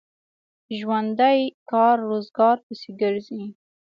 ژوندي کار روزګار پسې ګرځي